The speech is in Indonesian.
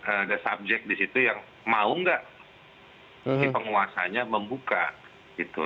ada subjek di situ yang mau nggak si penguasanya membuka gitu